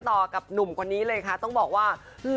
โชว์ต่อกับหนุ่มกว่านี้เลยต้องบอกว่า